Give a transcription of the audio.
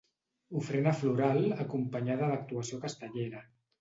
Ofrena floral acompanyada d'actuació castellera.